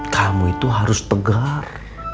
kamu itu harus tegar